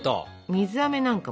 水あめなんかも。